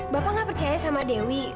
bapak nggak percaya sama dewi